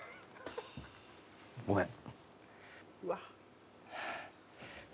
ごめん。